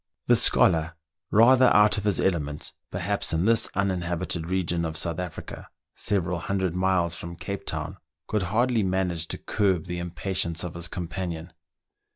The scholar, rather out of his element, perhaps, in this uninhabited region of South Africa, several hundred miles from Cape Town, could hardly manage to curb the im patience of his companion.